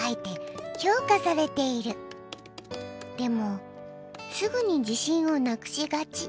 でもすぐに自信をなくしがち。